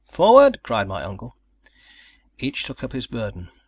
"Forward!" cried my uncle. Each took up his burden.